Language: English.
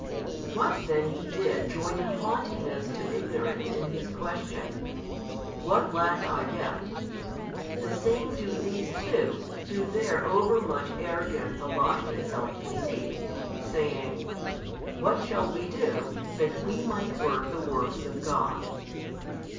what then he did joining haughtiness to ignorance in his question, what lack I yet, the same do these too through their over much arrogance alike and self conceit, saying, What shall we do, that we might work the works of God?